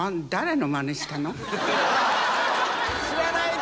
知らないか。